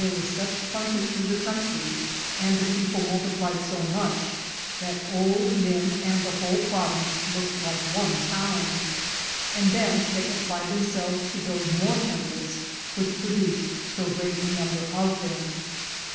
was such plenty through the Country, and the People multiplied so much, that old Men said the whole Prov ince looked like one Town, and then they applied them selves to build more Temples, which produced so great a number of them."